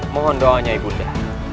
mohon doanya ibu nda